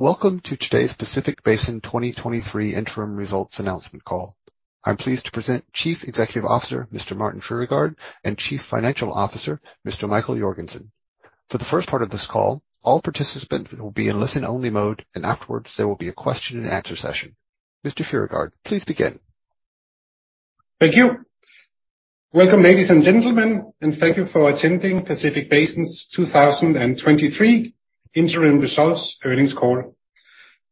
Welcome to today's Pacific Basin 2023 interim results announcement call. I'm pleased to present Chief Executive Officer, Mr. Martin Fruergaard, and Chief Financial Officer, Mr. Michael Jorgensen. For the first part of this call, all participants will be in listen-only mode. Afterwards, there will be a question and answer session. Mr. Frigaard, please begin. Thank you. Welcome, ladies and gentlemen. Thank you for attending Pacific Basin's 2023 interim results earnings call.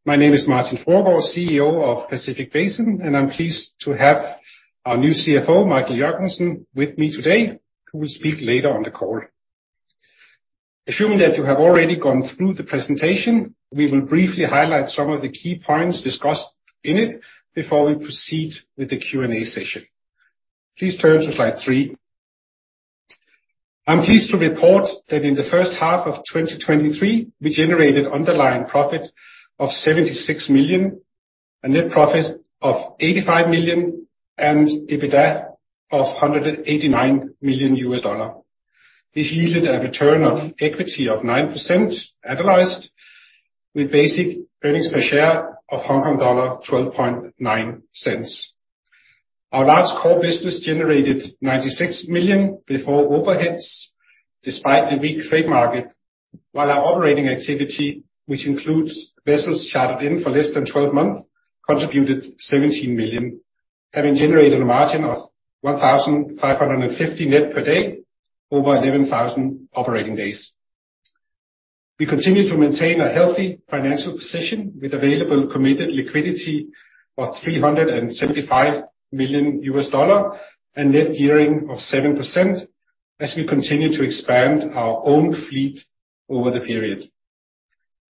My name is Martin Fruergaard, CEO of Pacific Basin, and I'm pleased to have our new CFO, Michael Jorgensen, with me today, who will speak later on the call. Assuming that you have already gone through the presentation, we will briefly highlight some of the key points discussed in it before we proceed with the Q&A session. Please turn to slide 3. I'm pleased to report that in the first half of 2023, we generated underlying profit of $76 million, a net profit of $85 million, and EBITDA of $189 million. This yielded a return of equity of 9% annualized, with basic earnings per share of 0.129. Our large core business generated $96 million before overheads, despite the weak freight market, while our operating activity, which includes vessels chartered in for less than 12 months, contributed $17 million, having generated a margin of 1,550 net per day over 11,000 operating days. We continue to maintain a healthy financial position with available committed liquidity of $375 million and net gearing of 7% as we continue to expand our own fleet over the period.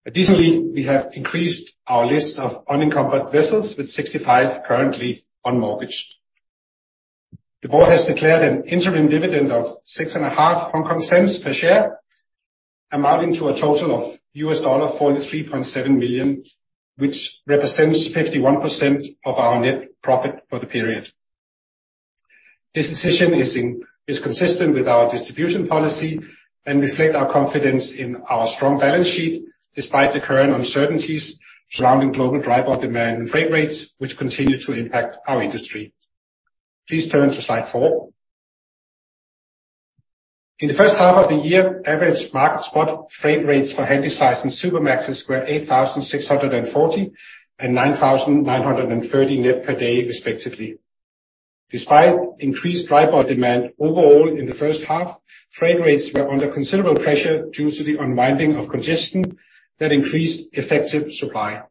Additionally, we have increased our list of unencumbered vessels with 65 currently unmortgaged. The board has declared an interim dividend of 0.065 per share, amounting to a total of $43.7 million, which represents 51% of our net profit for the period. This decision is consistent with our distribution policy and reflect our confidence in our strong balance sheet, despite the current uncertainties surrounding global dry bulk demand and freight rates, which continue to impact our industry. Please turn to slide 4. In the first half of the year, average market spot freight rates for Handysize and Supramaxes were $8,640 and $9,930 net per day, respectively. Despite increased dry bulk demand overall in the first half, freight rates were under considerable pressure due to the unwinding of congestion that increased effective supply.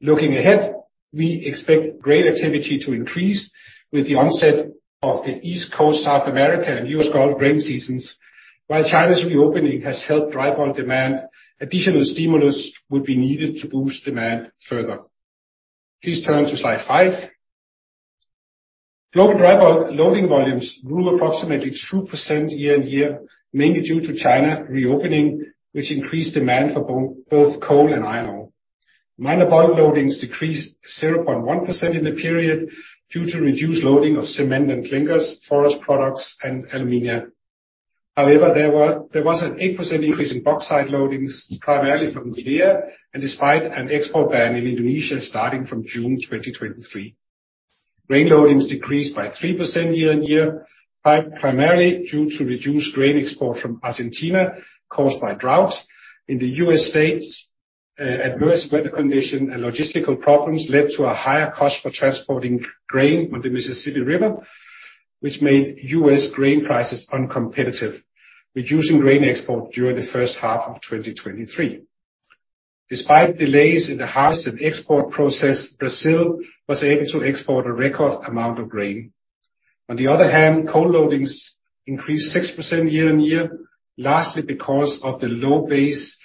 Looking ahead, we expect grain activity to increase with the onset of the East Coast, South America, and U.S. grain seasons. While China's reopening has helped drive bulk demand, additional stimulus would be needed to boost demand further. Please turn to slide 5. Global dry bulk loading volumes grew approximately 2% year-over-year, mainly due to China reopening, which increased demand for both coal and iron ore. Minor bulk loadings decreased 0.1% in the period due to reduced loading of cement and clinkers, forest products, and aluminum. However, there was an 8% increase in bauxite loadings, primarily from Guinea, despite an export ban in Indonesia starting from June 2023. Grain loadings decreased by 3% year-over-year, primarily due to reduced grain export from Argentina caused by droughts. In the U.S. states, adverse weather condition and logistical problems led to a higher cost for transporting grain on the Mississippi River, which made U.S. grain prices uncompetitive, reducing grain export during the first half of 2023. Despite delays in the harvest and export process, Brazil was able to export a record amount of grain. Coal loadings increased 6% year-on-year, lastly, because of the low base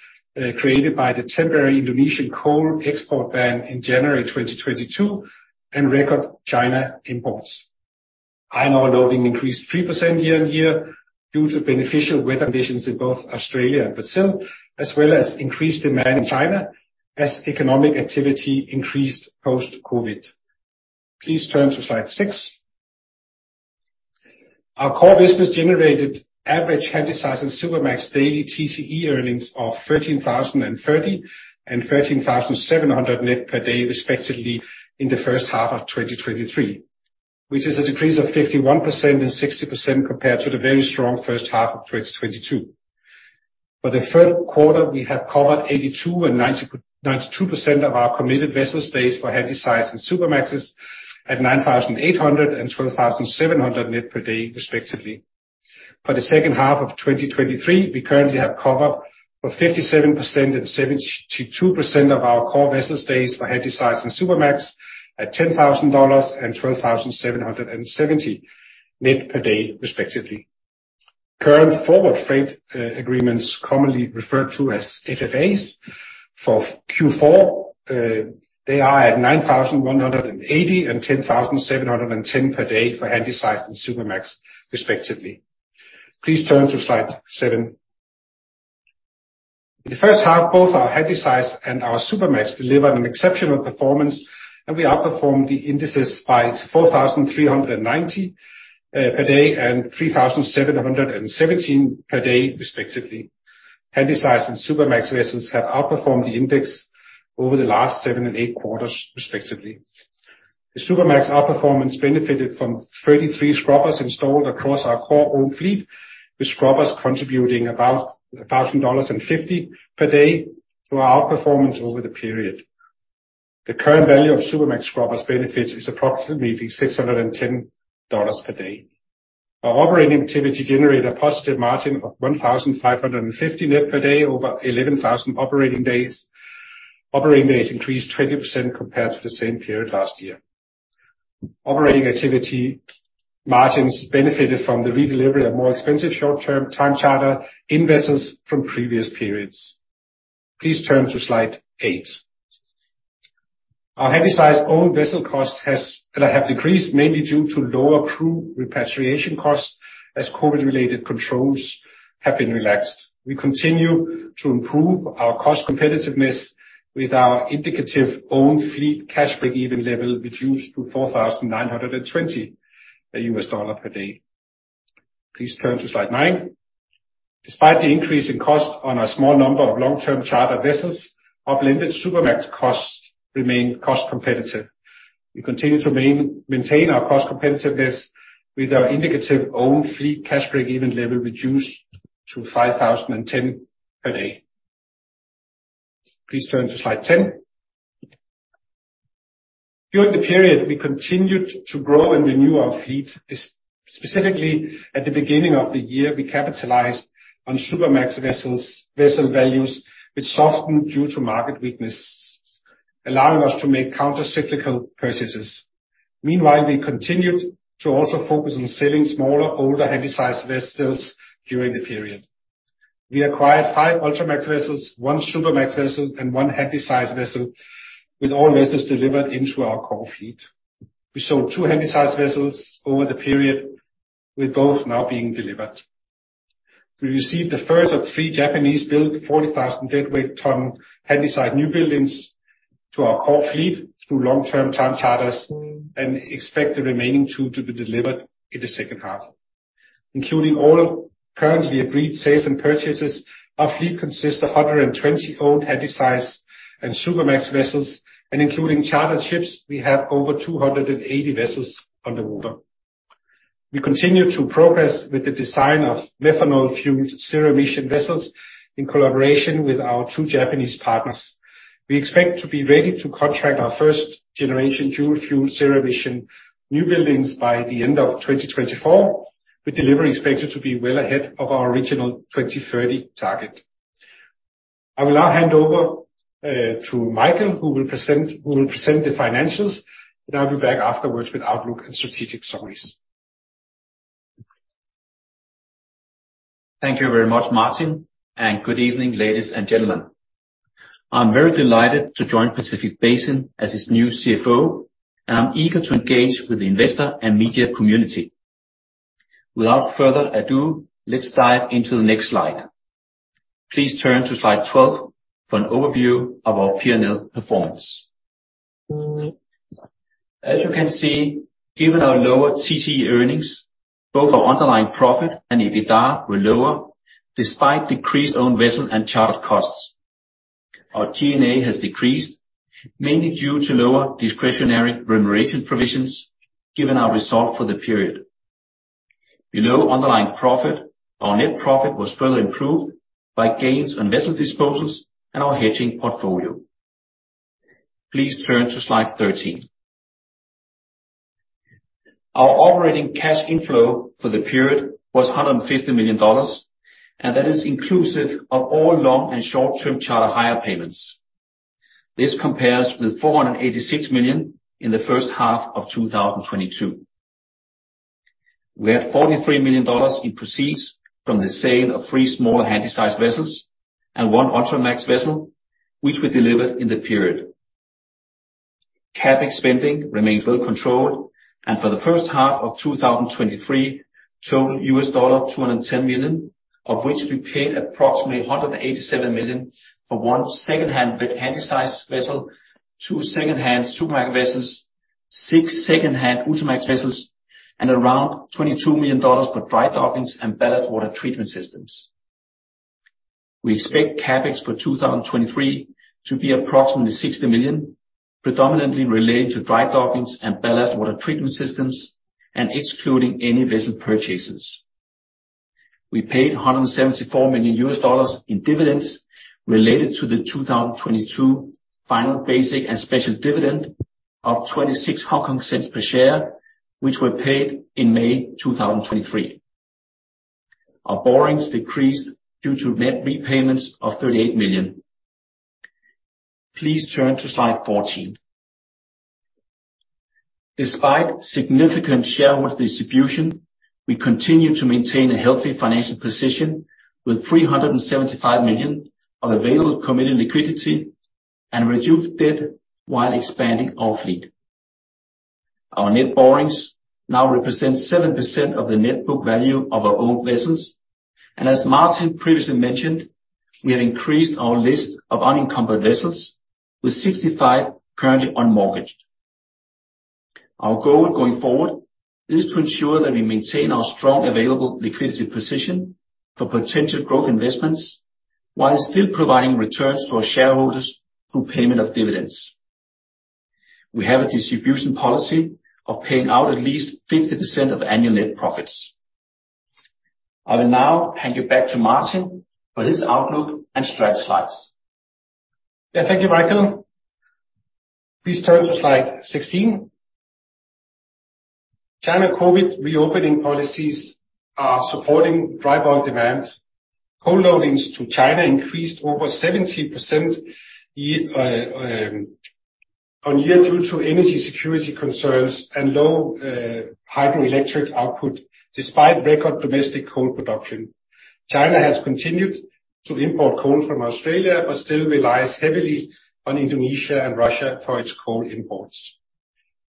created by the temporary Indonesian coal export ban in January 2022 and record China imports. Iron ore loading increased 3% year-on-year due to beneficial weather conditions in both Australia and Brazil, as well as increased demand in China as economic activity increased post-COVID. Please turn to slide 6. Our core business generated average Handysize and Supramax daily TCE earnings of $13,030 and $13,700 net per day, respectively, in the first half of 2023, which is a decrease of 51% and 60% compared to the very strong first half of 2022. For the third quarter, we have covered 82% and 92% of our committed vessel days for Handysize and Supramaxes at $9,800 and $12,700 net per day, respectively. For the second half of 2023, we currently have cover for 57% and 72% of our core vessel days for Handysize and Supramax at $10,000 and $12,770 net per day, respectively. Current forward freight agreements, commonly referred to as FFAs, for Q4, they are at $9,180 and $10,710 per day for Handysize and Supramax, respectively. Please turn to slide 7. In the first half, both our Handysize and our Supramax delivered an exceptional performance, and we outperformed the indices by $4,390 per day and $3,717 per day, respectively. Handysize and Supramax vessels have outperformed the index over the last seven and eight quarters, respectively. The Supramax outperformance benefited from 33 scrubbers installed across our core owned fleet, with scrubbers contributing about $1,050 per day to our outperformance over the period. The current value of Supramax scrubbers benefits is approximately $610 per day. Our operating activity generated a positive margin of $1,550 net per day over 11,000 operating days. Operating days increased 20% compared to the same period last year. Operating activity margins benefited from the redelivery of more expensive short-term time charter in vessels from previous periods. Please turn to slide 8. Our Handysize owned vessel cost has, have decreased, mainly due to lower crew repatriation costs, as COVID-related controls have been relaxed. We continue to improve our cost competitiveness with our indicative owned fleet cash breakeven level, reduced to $4,920 per day. Please turn to slide 9. Despite the increase in cost on a small number of long-term charter vessels, our blended Supramax costs remain cost competitive. We continue to maintain our cost competitiveness with our indicative owned fleet cash breakeven level, reduced to $5,010 per day. Please turn to slide 10. During the period, we continued to grow and renew our fleet. Specifically, at the beginning of the year, we capitalized on Supramax vessels, vessel values, which softened due to market weakness, allowing us to make countercyclical purchases. Meanwhile, we continued to also focus on selling smaller, older Handysize vessels during the period. We acquired 5 Ultramax vessels, 1 Supramax vessel, and 1 Handysize vessel, with all vessels delivered into our core fleet. We sold 2 Handysize vessels over the period, with both now being delivered. We received the first of 3 Japanese-built 40,000 deadweight ton Handysize new buildings to our core fleet through long-term time charters, and expect the remaining 2 to be delivered in the second half. Including all currently agreed sales and purchases, our fleet consists of 120 old Handysize and Supramax vessels, and including chartered ships, we have over 280 vessels on the water. We continue to progress with the design of methanol-fueled zero-emission vessels in collaboration with our two Japanese partners. We expect to be ready to contract our first generation dual-fuel zero-emission new buildings by the end of 2024, with delivery expected to be well ahead of our original 2030 target. I will now hand over to Michael, who will present the financials, and I'll be back afterwards with outlook and strategic summaries. Thank you very much, Martin. Good evening, ladies and gentlemen. I'm very delighted to join Pacific Basin as its new CFO, and I'm eager to engage with the investor and media community. Without further ado, let's dive into the next slide. Please turn to slide 12 for an overview of our PNL performance. As you can see, given our lower TCE earnings, both our underlying profit and EBITDA were lower, despite decreased owned vessel and charter costs. Our G&A has decreased, mainly due to lower discretionary remuneration provisions, given our result for the period. Below underlying profit, our net profit was further improved by gains on vessel disposals and our hedging portfolio. Please turn to slide 13. Our operating cash inflow for the period was $150 million, and that is inclusive of all long and short-term charter hire payments. This compares with $486 million in the first half of 2022. We had $43 million in proceeds from the sale of three smaller Handysize vessels and one Ultramax vessel, which we delivered in the period. CapEx spending remains well controlled. For the first half of 2023, total $210 million, of which we paid approximately $187 million for one secondhand Handysize vessel, two secondhand Supramax vessels, six secondhand Ultramax vessels, and around $22 million for dry dockings and ballast water treatment systems. We expect CapEx for 2023 to be approximately $60 million, predominantly related to dry dockings and ballast water treatment systems and excluding any vessel purchases. We paid 174 million U.S. dollars in dividends related to the 2022 final basic and special dividend of 0.26 per share, which were paid in May 2023. Our borrowings decreased due to net repayments of $38 million. Please turn to slide 14. Despite significant shareholder distribution, we continue to maintain a healthy financial position with $375 million of available committed liquidity and reduced debt while expanding our fleet. Our net borrowings now represent 7% of the net book value of our owned vessels, and as Martin previously mentioned, we have increased our list of unencumbered vessels, with 65 currently unmortgaged. Our goal going forward is to ensure that we maintain our strong available liquidity position for potential growth investments while still providing returns to our shareholders through payment of dividends. We have a distribution policy of paying out at least 50% of annual net profits. I will now hand you back to Martin for his outlook and strategy slides. Yeah, thank you, Michael. Please turn to slide 16. China COVID reopening policies are supporting dry bulk demand. Coal loadings to China increased over 70% on year due to energy security concerns and low hydroelectric output, despite record domestic coal production. China has continued to import coal from Australia, still relies heavily on Indonesia and Russia for its coal imports.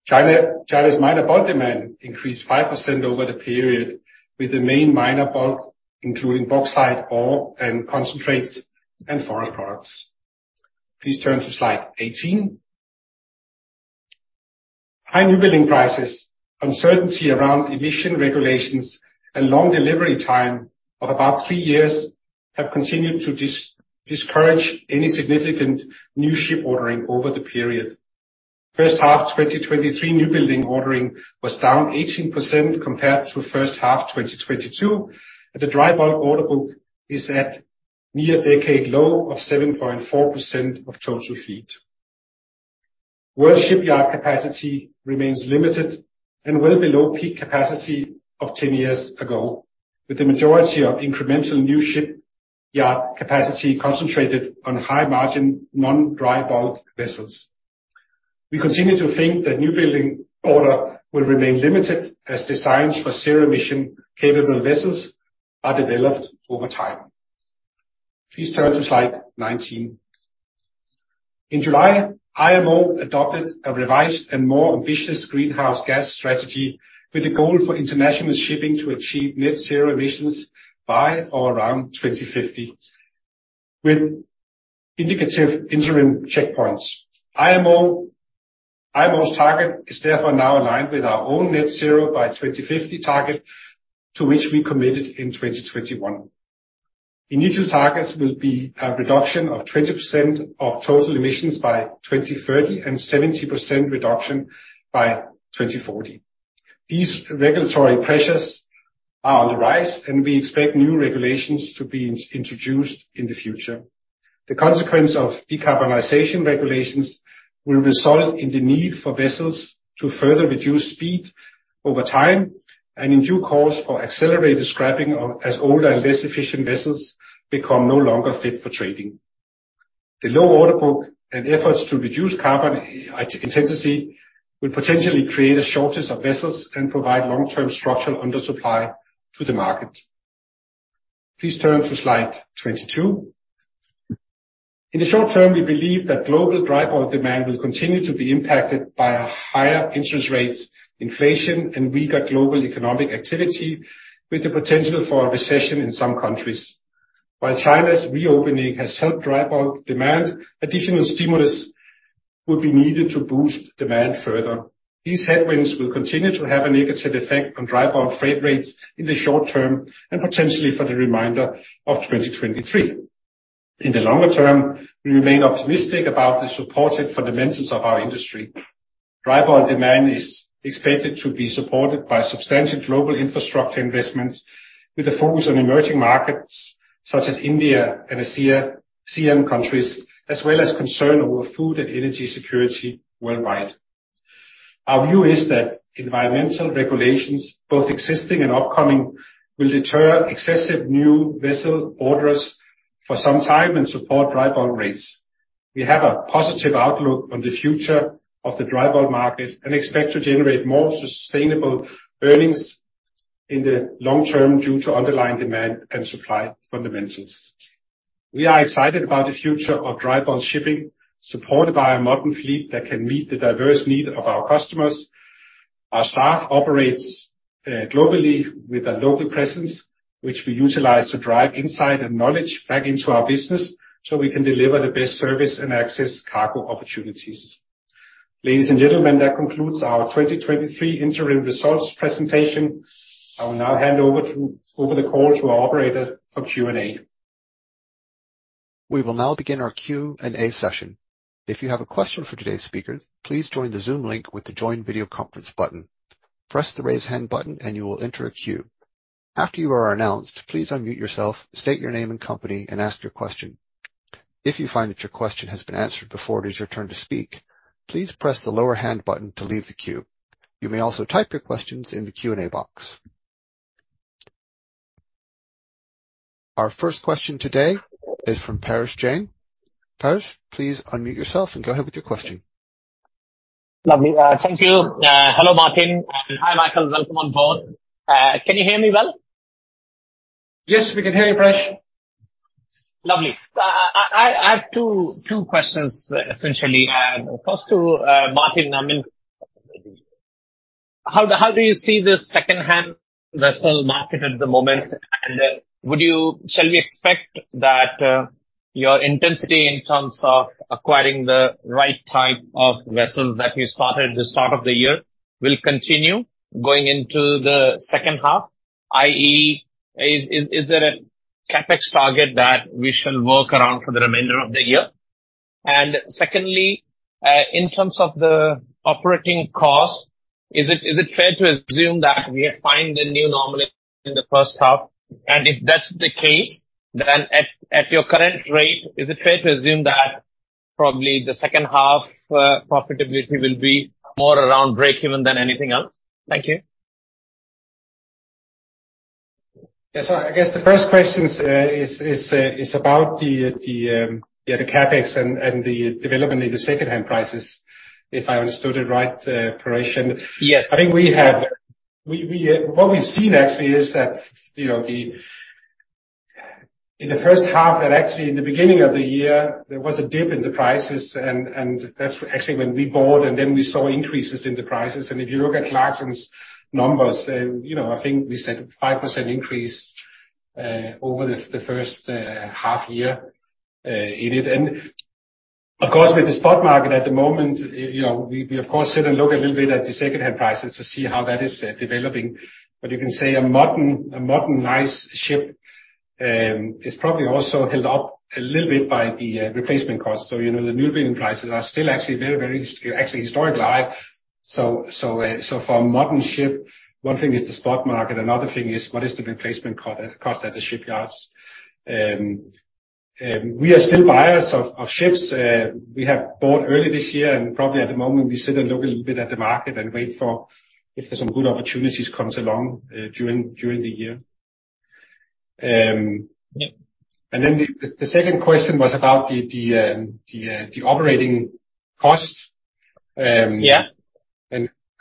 China's minor bulk demand increased 5% over the period, with the main minor bulk, including bauxite, ore, and concentrates and forest products. Please turn to slide 18. High new building prices, uncertainty around emission regulations, and long delivery time of about 3 years, have continued to discourage any significant new ship ordering over the period. First half 2023 new building ordering was down 18% compared to first half 2022, and the dry bulk order book is at near decade low of 7.4% of total fleet. World shipyard capacity remains limited and well below peak capacity of 10 years ago, with the majority of incremental new shipyard capacity concentrated on high-margin, non-dry bulk vessels. We continue to think that new building order will remain limited, as designs for zero-emission capable vessels are developed over time. Please turn to slide 19. In July, IMO adopted a revised and more ambitious greenhouse gas strategy with a goal for international shipping to achieve net zero emissions by or around 2050, with indicative interim checkpoints. IMO's target is therefore now aligned with our own net zero by 2050 target, to which we committed in 2021. Initial targets will be a reduction of 20% of total emissions by 2030, and 70% reduction by 2040. These regulatory pressures are on the rise. We expect new regulations to be introduced in the future. The consequence of decarbonization regulations will result in the need for vessels to further reduce speed over time and in due course, for accelerated scrapping of as older and less efficient vessels become no longer fit for trading. The low order book and efforts to reduce carbon intensity will potentially create a shortage of vessels and provide long-term structural undersupply to the market. Please turn to slide 22. In the short term, we believe that global dry bulk demand will continue to be impacted by higher interest rates, inflation, and weaker global economic activity, with the potential for a recession in some countries. While China's reopening has helped dry bulk demand, additional stimulus would be needed to boost demand further. These headwinds will continue to have a negative effect on dry bulk freight rates in the short term and potentially for the remainder of 2023. In the longer term, we remain optimistic about the supported fundamentals of our industry. Dry bulk demand is expected to be supported by substantial global infrastructure investments, with a focus on emerging markets such as India and ASEAN countries, as well as concern over food and energy security worldwide. Our view is that environmental regulations, both existing and upcoming, will deter excessive new vessel orders for some time and support dry bulk rates. We have a positive outlook on the future of the dry bulk market and expect to generate more sustainable earnings in the long term due to underlying demand and supply fundamentals. We are excited about the future of dry bulk shipping, supported by a modern fleet that can meet the diverse needs of our customers. Our staff operates globally with a local presence, which we utilize to drive insight and knowledge back into our business, so we can deliver the best service and access cargo opportunities. Ladies and gentlemen, that concludes our 2023 interim results presentation. I will now hand over the call to our operator for Q&A. We will now begin our Q&A session. If you have a question for today's speakers, please join the Zoom link with the Join Video Conference button. Press the Raise Hand button, and you will enter a queue. After you are announced, please unmute yourself, state your name and company, and ask your question. If you find that your question has been answered before it is your turn to speak, please press the lower hand button to leave the queue. You may also type your questions in the Q&A box. Our first question today is from Paresh Jain. Paresh, please unmute yourself and go ahead with your question. Lovely. Thank you. Hello, Martin, and hi, Michael. Welcome on board. Can you hear me well? Yes, we can hear you, Paresh. Lovely. I, I, I have two, two questions, essentially, first to Martin. I mean, how, how do you see this second-hand vessel market at the moment? Shall we expect that your intensity in terms of acquiring the right type of vessels that you started the start of the year will continue going into the second half? i.e., is, is, is there a CapEx target that we shall work around for the remainder of the year? Secondly, in terms of the operating cost, is it, is it fair to assume that we have found the new normal in the first half? If that's the case, then at, at your current rate, is it fair to assume that probably the second half profitability will be more around breakeven than anything else? Thank you. Yes. I guess the first question is about the CapEx and the development in the secondhand prices, if I understood it right, Paresh Jain. Yes. I think what we've seen actually is that, you know, the, in the first half, that actually in the beginning of the year, there was a dip in the prices, and that's actually when we bought, and then we saw increases in the prices. If you look at Clarksons numbers, you know, I think we said 5% increase over the first half year in it. Of course, with the spot market at the moment, you know, we, we of course sit and look a little bit at the secondhand prices to see how that is developing. You can say a modern, a modern, nice ship is probably also held up a little bit by the replacement cost. You know, the new building prices are still actually very, very, actually historic high. For a modern ship, one thing is the spot market, another thing is what is the replacement cost at the shipyards? We are still buyers of ships. We have bought early this year, and probably at the moment we sit and look a little bit at the market and wait for if there's some good opportunities comes along during the year. Then the second question was about the operating cost.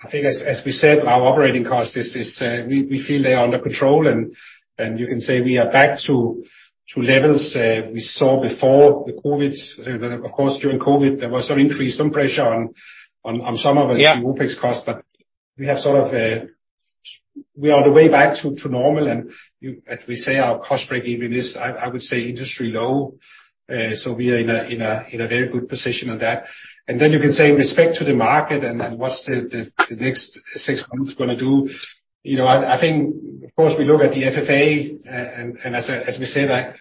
I think as, as we said, our operating cost is, is, we, we feel they are under control, and, and you can say we are back to, to levels, we saw before the COVID. Of course, during COVID, there was some increased, some pressure on, on, on some of.... OpEx costs. We have sort of a, we are on the way back to normal. You, as we say, our cost break-even is, I would say, industry low. We are in a very good position on that. Then you can say with respect to the market and what's the next six months gonna do, you know, I think, of course, we look at the FFA, and as we say, that,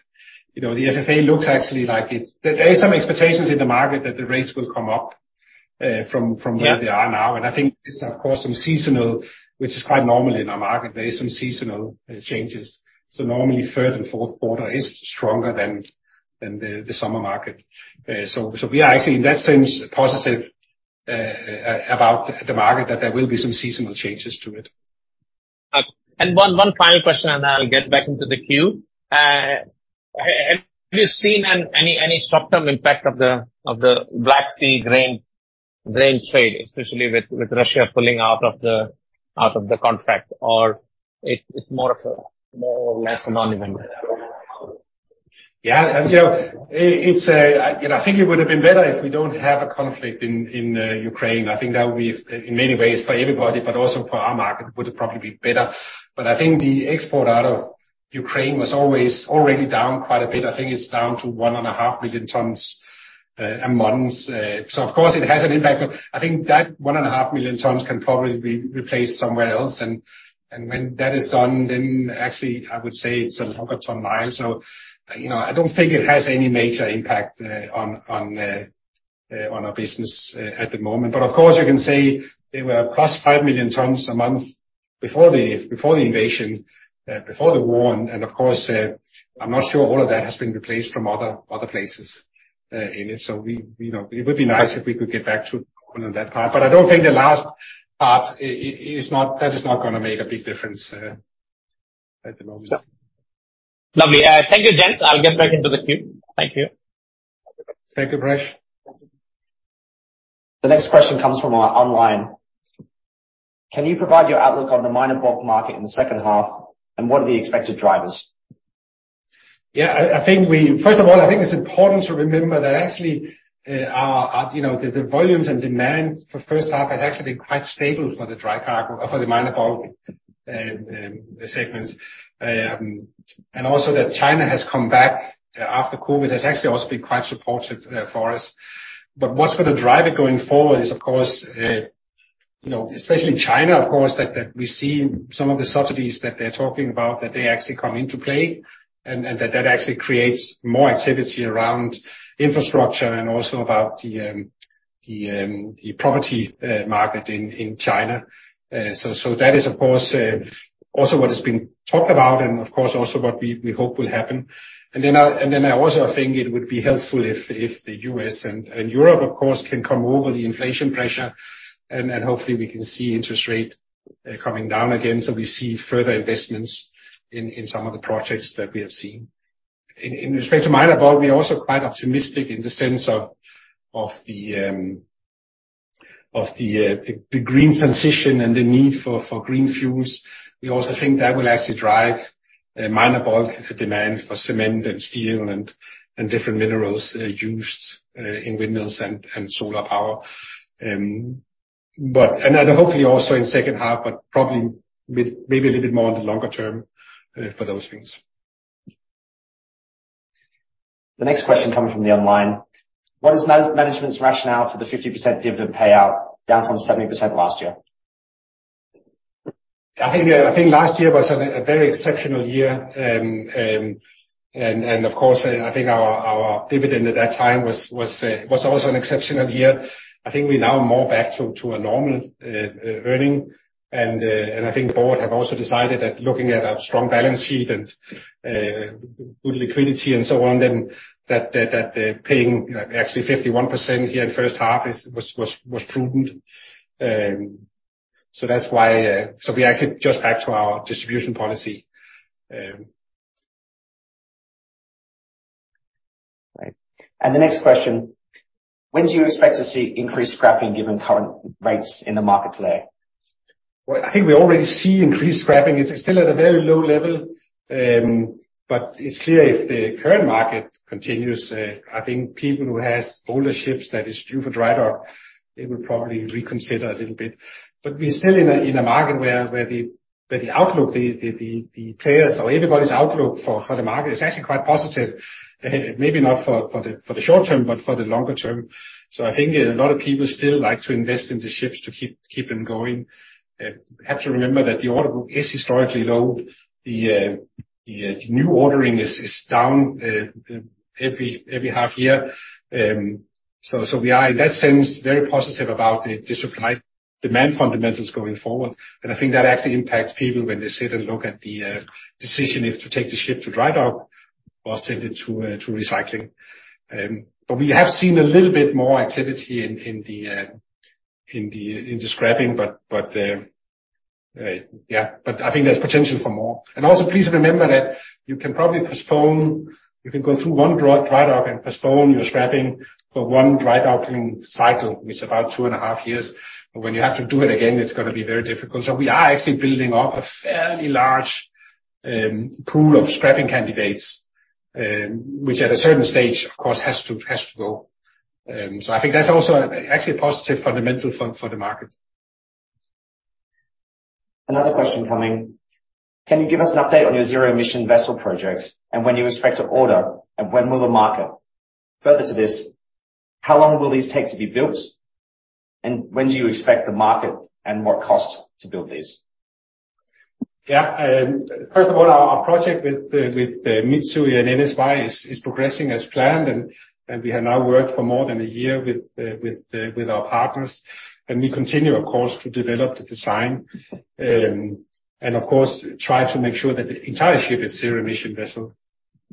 you know, the FFA looks actually like it's. There is some expectations in the market that the rates will come up from where. They are now. I think it's of course some seasonal, which is quite normal in our market. There is some seasonal changes, normally third and fourth quarter is stronger than the summer market. We are actually in that sense positive about the market, that there will be some seasonal changes to it. One final question, and I'll get back into the queue. Have you seen any short-term impact of the Black Sea grain trade, especially with Russia pulling out of the contract, or it's more or less a non-event? Yeah, you know, it, it's a, I, you know, I think it would've been better if we don't have a conflict in Ukraine. I think that would be, in many ways for everybody, but also for our market, would probably be better. I think the export out of Ukraine was always already down quite a bit. I think it's down to 1.5 million tons a month. Of course, it has an impact, but I think that 1.5 million tons can probably be replaced somewhere else, and when that is done, then actually I would say it's a ton-mile. You know, I don't think it has any major impact on our business at the moment. Of course, you can say they were plus 5 million tons a month before the invasion, before the war, and of course, I'm not sure all of that has been replaced from other places in it. We, you know, it would be nice if we could get back to 1 on that time, but I don't think the last part is not, that is not gonna make a big difference at the moment. Lovely. Thank you, Jens. I'll get back into the queue. Thank you. Thank you, Paresh. The next question comes from online. Can you provide your outlook on the minor bulk market in the second half? What are the expected drivers? Yeah, I, I think we-- first of all, I think it's important to remember that actually, you know, the, the volumes and demand for first half has actually been quite stable for the dry cargo, for the minor bulk, segments. Also that China has come back after COVID, has actually also been quite supportive for us. What's gonna drive it going forward is, of course, you know, especially China, of course, that, that we see some of the subsidies that they're talking about, that they actually come into play, and, and that, that actually creates more activity around infrastructure and also about the, the, the property market in, in China. That is, of course, also what has been talked about, and of course, also what we, we hope will happen. Then I, and then I also think it would be helpful if, if the U.S. and, and Europe, of course, can come over the inflation pressure, and, and hopefully we can see interest rate coming down again, so we see further investments in, in some of the projects that we have seen. In, in respect to minor bulk, we're also quite optimistic in the sense of, of the, the, the green transition and the need for, for green fuels. We also think that will actually drive a minor bulk demand for cement and steel and, and different minerals used in windmills and solar power. And then hopefully also in second half, but probably may- maybe a little bit more on the longer term for those things. The next question coming from the online: What is management's rationale for the 50% dividend payout, down from 70% last year? I think, I think last year was a, a very exceptional year. Of course, I think our, our dividend at that time was, was, was also an exceptional year. I think we're now more back to, to a normal earning, and I think the board have also decided that looking at our strong balance sheet and good liquidity and so on, then that, that, that paying actually 51% here in first half is, was, was, was prudent. That's why, we actually just back to our distribution policy. Right. The next question: When do you expect to see increased scrapping, given current rates in the market today? Well, I think we already see increased scrapping. It's still at a very low level, but it's clear if the current market continues, I think people who has older ships that is due for dry dock, they would probably reconsider a little bit. We're still in a market where the outlook, the players or everybody's outlook for the market is actually quite positive. Maybe not for the short term, but for the longer term. I think a lot of people still like to invest in the ships to keep them going. Have to remember that the order book is historically low. The new ordering is down every half year. So we are, in that sense, very positive about the supply-demand fundamentals going forward, and I think that actually impacts people when they sit and look at the decision if to take the ship to dry dock or send it to recycling. We have seen a little bit more activity in, in the, in the, in the scrapping, but, but, yeah, but I think there's potential for more. Also, please remember that you can probably postpone, you can go through one dry dock and postpone your scrapping for one dry docking cycle, which is about 2.5 years, but when you have to do it again, it's gonna be very difficult. We are actually building up a fairly large pool of scrapping candidates, which at a certain stage, of course, has to, has to go. I think that's also actually a positive fundamental for the market. Another question coming: Can you give us an update on your zero-emission vessel projects, and when you expect to order, and when will the market? Further to this, how long will these take to be built, and when do you expect the market and what cost to build these? Yeah. First of all, our, our project with the, with the Mitsui and NSY is, is progressing as planned, and, and we have now worked for more than a year with the, with the, with our partners, and we continue, of course, to develop the design. Of course, try to make sure that the entire ship is zero-emission vessel,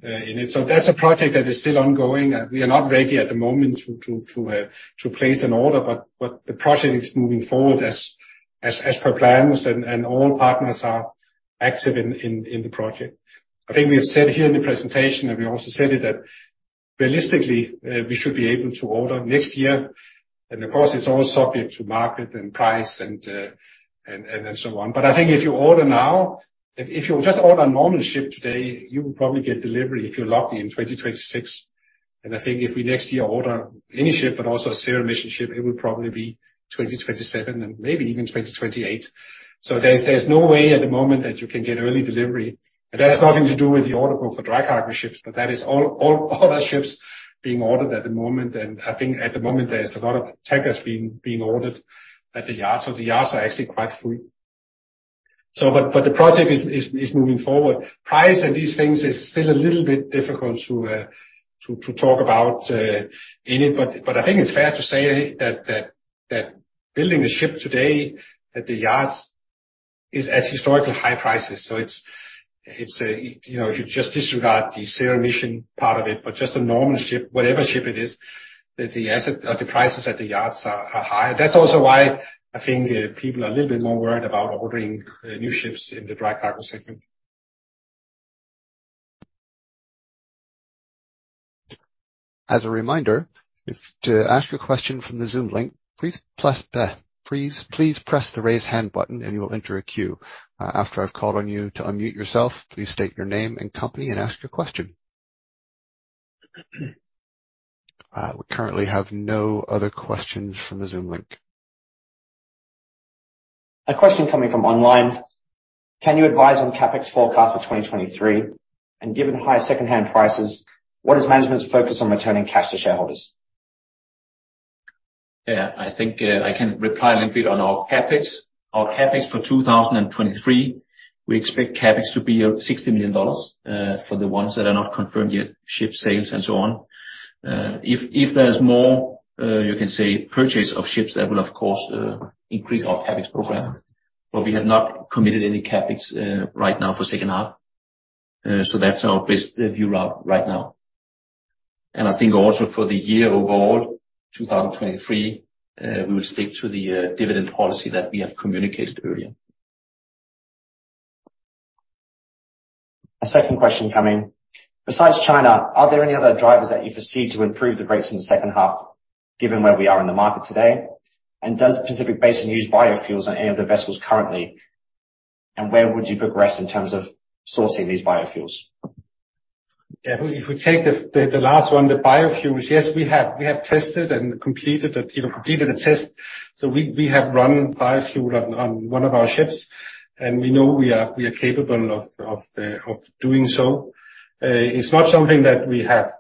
in it. That's a project that is still ongoing. We are not ready at the moment to, to, to, to place an order, but, but the project is moving forward as, as, as per plans, and, and all partners are active in, in, in the project. I think we have said here in the presentation, we also said it, that realistically, we should be able to order next year, and of course, it's all subject to market and price and so on. I think if you order now, if you'll just order a normal ship today, you will probably get delivery, if you're lucky, in 2026. I think if we next year order any ship, but also a zero-emission ship, it will probably be 2027 and maybe even 2028. There's no way at the moment that you can get early delivery, and that's nothing to do with the order for dry cargo ships, but that is all, all other ships being ordered at the moment. I think at the moment, there's a lot of tech that's being, being ordered at the yards, so the yards are actually quite full. The project is, is, is moving forward. Price and these things is still a little bit difficult to, to talk about in it, but, but I think it's fair to say that, that, that building a ship today at the yards is at historically high prices. It's, it's a, you know, if you just disregard the zero-emission part of it, but just a normal ship, whatever ship it is, the, the asset, the prices at the yards are, are high. That's also why I think people are a little bit more worried about ordering new ships in the dry cargo segment. As a reminder, To ask a question from the Zoom link, please press, please, please press the Raise Hand button, and you will enter a queue. After I've called on you to unmute yourself, please state your name and company and ask your question. We currently have no other questions from the Zoom link. A question coming from online: Can you advise on CapEx forecast for 2023, and given the high secondhand prices, what is management's focus on returning cash to shareholders? Yeah, I think, I can reply a little bit on our CapEx. Our CapEx for 2023, we expect CapEx to be $60 million, for the ones that are not confirmed yet, ship sales and so on. If, if there's more, you can say, purchase of ships, that will of course, increase our CapEx program, but we have not committed any CapEx right now for second half. So that's our best view of right now. I think also for the year overall, 2023, we will stick to the dividend policy that we have communicated earlier. A second question coming: Besides China, are there any other drivers that you foresee to improve the rates in the second half, given where we are in the market today? Does Pacific Basin use biofuels on any of the vessels currently, and where would you progress in terms of sourcing these biofuels? Yeah, if we, if we take the last one, the biofuels, yes, we have. We have tested and completed it, you know, completed a test. We have run biofuel on one of our ships, and we know we are capable of doing so. It's not something that we have,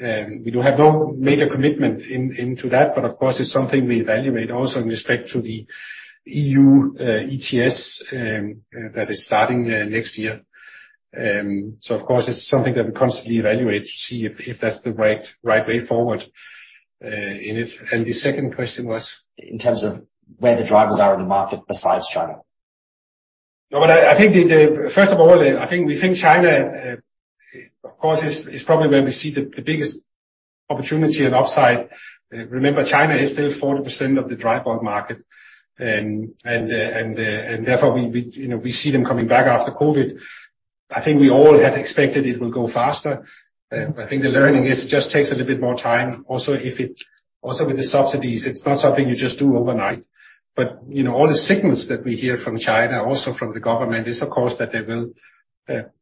we do have no major commitment into that, but of course, it's something we evaluate also in respect to the EU ETS that is starting next year. Of course, it's something that we constantly evaluate to see if that's the right way forward in it. The second question was? In terms of where the drivers are in the market besides China. I, I think first of all, I think we think China, of course, is, is probably where we see the, the biggest opportunity and upside. Remember, China is still 40% of the dry bulk market. And, and therefore we, we, you know, we see them coming back after COVID. I think we all had expected it will go faster. I think the learning is it just takes a little bit more time. Also, also, with the subsidies, it's not something you just do overnight. You know, all the signals that we hear from China, also from the government, is, of course, that they will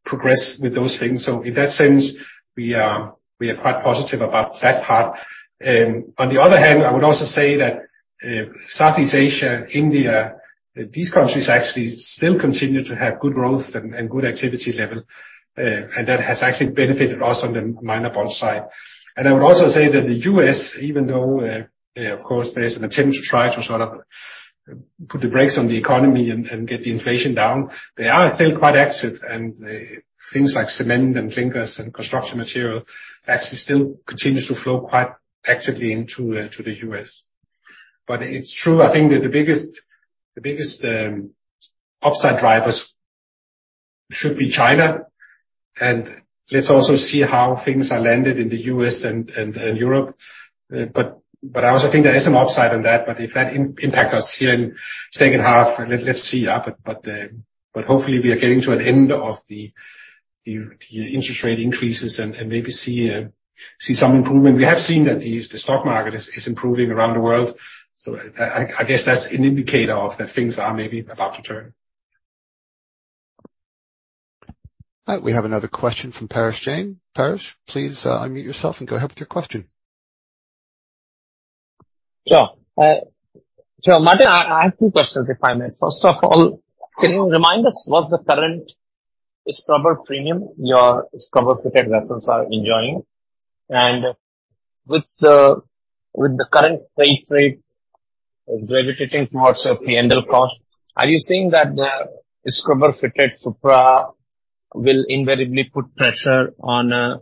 progress with those things. In that sense, we are, we are quite positive about that part. on the other hand, I would also say that, uh, Southeast Asia, India, these countries actually still continue to have good growth and, and good activity level. that has actually benefited us on the minor bulk side. And I would also say that the U.S., even though of course, there is an attempt to try to sort of put the brakes on the economy and, and get the inflation down, they are still quite active. And, uh, things like cement and clinkers and construction material actually still continues to flow quite actively into, to the U.S. But it's true, I think that the biggest, the biggest, um, upside drivers should be China. And let's also see how things are landed in the U.S. and, and, and Europe. I also think there is some upside on that, but if that impact us here in second half, let's see. Hopefully we are getting to an end of the interest rate increases and maybe see some improvement. We have seen that the stock market is improving around the world, so I guess that's an indicator of that things are maybe about to turn. All right, we have another question from Paresh Jain. Paresh, please, unmute yourself and go ahead with your question. Sure. Martin, I, I have two questions, if I may. First of all, can you remind us what's the current scrubber premium your scrubber-fitted vessels are enjoying? With, with the current freight rate gravitating towards a free end cost, are you saying that the scrubber-fitted Supra will invariably put pressure on a,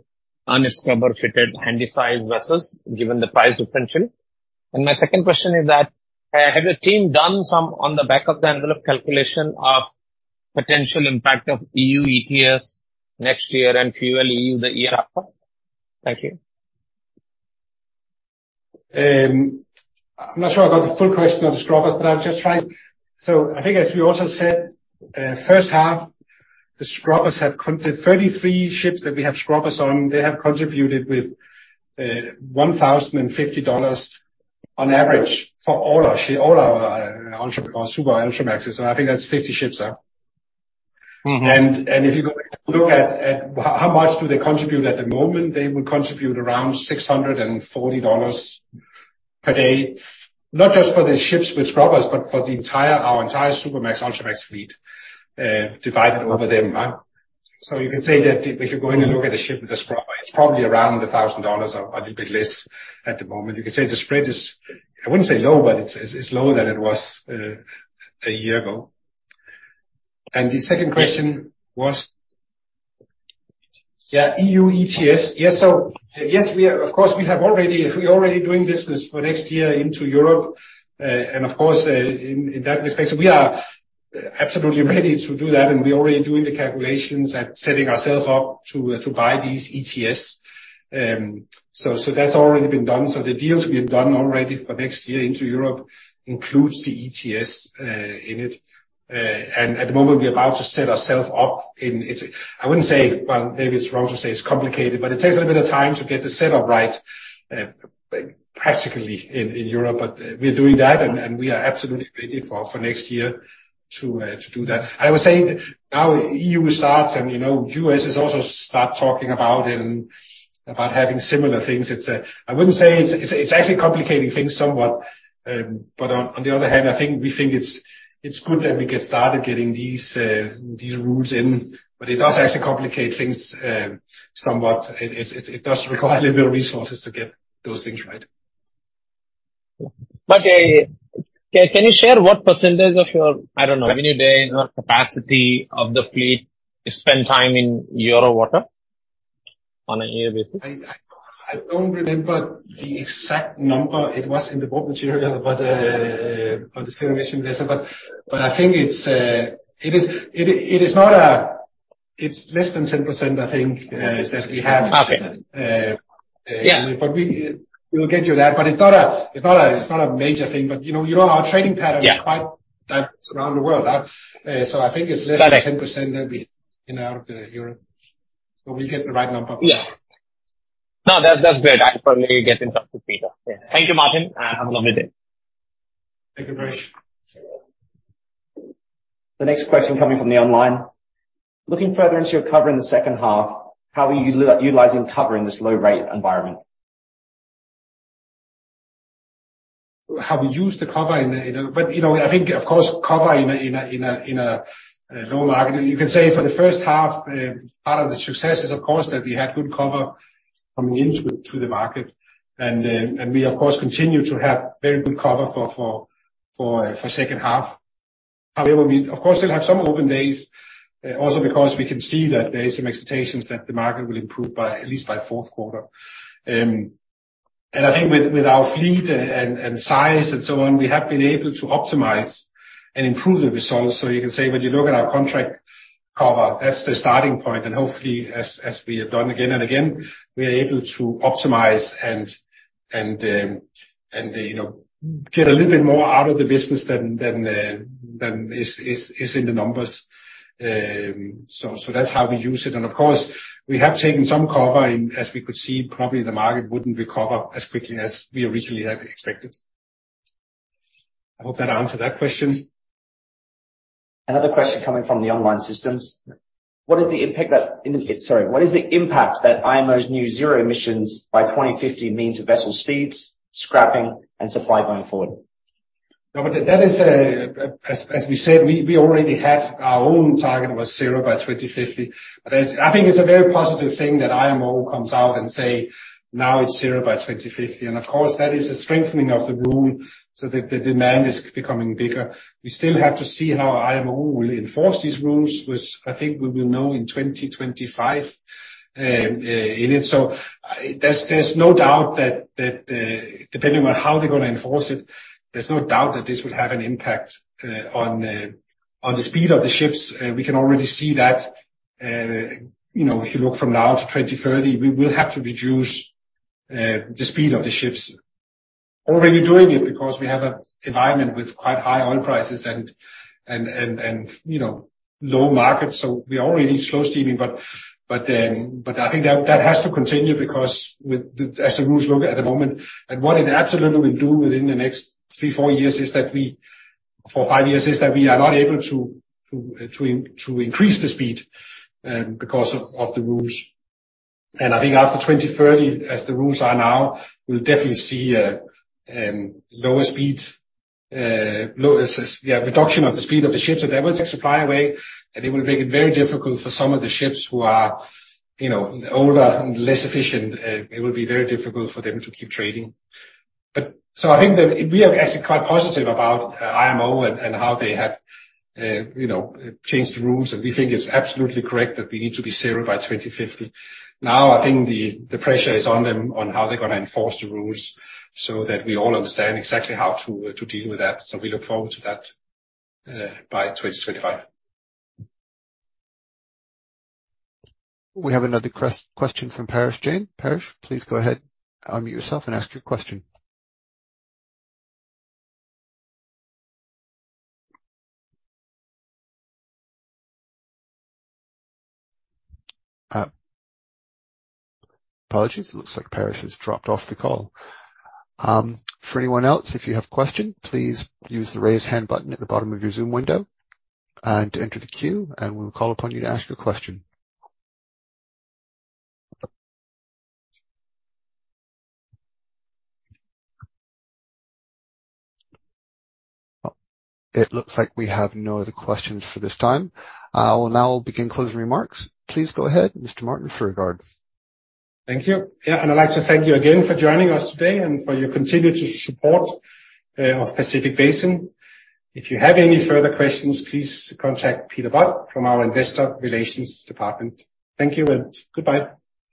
on a scrubber-fitted Handysize vessels, given the price differential? My second question is that, has your team done some on the back of the envelope calculation of potential impact of EU ETS next year and FuelEU the year after? Thank you. I'm not sure I got the full question on the scrubbers, but I'll just try. I think, as we also said, first half, the scrubbers have 33 ships that we have scrubbers on, they have contributed with $1,050 on average for all our all our ultra or super ultra maxes, and I think that's 50 ships. If you go look at how much do they contribute at the moment, they will contribute around $640 per day. Not just for the ships with scrubbers, but for the entire, our entire Supramax, Ultramax fleet, divided over them. You can say that if you go in and look at a ship with a scrubber, it's probably around $1,000, or a little bit less at the moment. You can say the spread is, I wouldn't say low, but it's, it's lower than it was a year ago. The second question was? Yeah, EU ETS. Yes. Yes, we are, of course, we have already- we're already doing business for next year into Europe. In that respect, we are absolutely ready to do that, and we're already doing the calculations and setting ourselves up to buy these ETS. That's already been done. The deals we have done already for next year into Europe includes the ETS in it. We're about to set ourselves up. It's, I wouldn't say, well, maybe it's wrong to say it's complicated, but it takes a little bit of time to get the setup right practically in Europe. We are doing that, and we are absolutely ready for next year to do that. I would say now EU starts, you know, U.S. has also start talking about and about having similar things. It's, I wouldn't say it's, it's, it's actually complicating things somewhat. On, on the other hand, I think we think it's, it's good that we get started getting these, these rules in, but it does actually complicate things, somewhat. It, it, it does require a little bit of resources to get those things right. Can, can you share what percentage of your, I don't know, revenue day or capacity of the fleet spend time in your water on a year basis? I don't remember the exact number. It was in the board material, but on the same mission vessel. I think it's less than 10%, I think, that we We, we'll get you that, but it's not a, it's not a, it's not a major thing. You know, you know, our trading pattern... is quite diverse around the world. I think it's less than 10% maybe, you know, out of the year. We'll get the right number. Yeah. No, that, that's great. I'll probably get in touch with Peter. Yeah. Thank you, Martin, and have a lovely day. Thank you very much. The next question coming from the online: Looking further into your cover in the second half, how are you utilizing cover in this low rate environment? How we use the cover in a. You know, I think, of course, cover in a, in a, in a, in a low market, you can say for the first half, part of the success is, of course, that we had good cover coming into the market. We, of course, continue to have very good cover for, for, for second half. However, we, of course, still have some open days, also because we can see that there is some expectations that the market will improve by at least by fourth quarter. I think with, with our fleet and, and size and so on, we have been able to optimize and improve the results. You can say when you look at our contract cover, that's the starting point, and hopefully, as we have done again and again, we are able to optimize and, you know, get a little bit more out of the business than is in the numbers. That's how we use it, and of course, we have taken some cover, and as we could see, probably the market wouldn't recover as quickly as we originally had expected. I hope that answered that question. Another question coming from the online systems. What is the impact that Sorry. What is the impact that IMO's new zero emissions by 2050 mean to vessel speeds, scrapping, and supply going forward? That is a, as we said, we already had our own target was zero by 2050. I think it's a very positive thing that IMO comes out and say, now it's zero by 2050. Of course, that is a strengthening of the rule so that the demand is becoming bigger. We still have to see how IMO will enforce these rules, which I think we will know in 2025 in it. There's no doubt that, depending on how they're gonna enforce it, there's no doubt that this will have an impact on the speed of the ships. We can already see that, you know, if you look from now to 2030, we will have to reduce the speed of the ships. Already doing it because we have an environment with quite high oil prices and, you know, low market, so we are already slow steaming. I think that that has to continue because with the... as the rules look at the moment, and what it absolutely will do within the next three, four years, is that we, for five years, is that we are not able to increase the speed because of the rules. I think after 2030, as the rules are now, we'll definitely see a lower speeds, low, yeah, reduction of the speed of the ships, and that will take supply away, and it will make it very difficult for some of the ships who are, you know, older and less efficient. It will be very difficult for them to keep trading. I think that we are actually quite positive about IMO and how they have, you know, changed the rules, and we think it's absolutely correct that we need to be zero by 2050. I think the pressure is on them on how they're gonna enforce the rules, so that we all understand exactly how to deal with that. We look forward to that by 2025. We have another question from Paresh Jain. Paresh, please go ahead. Unmute yourself and ask your question. Apologies. It looks like Paresh has dropped off the call. For anyone else, if you have a question, please use the Raise Hand button at the bottom of your Zoom window and enter the queue, and we'll call upon you to ask your question. It looks like we have no other questions for this time. I will now begin closing remarks. Please go ahead, Mr. Martin, for Martin Fruergaard. Thank you. Yeah, I'd like to thank you again for joining us today and for your continued support of Pacific Basin. If you have any further questions, please contact Peter Bark from our investor relations department. Thank you and goodbye.